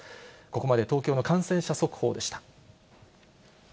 ここまで東京の感染者速報でした。